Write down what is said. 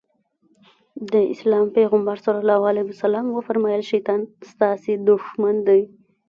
د اسلام پيغمبر ص وفرمايل شيطان ستاسې دښمن دی.